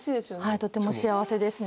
とても幸せですね。